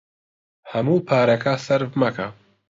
هەموو پارەکە سەرف مەکە.